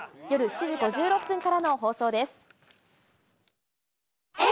夜７時５６分からの放送です。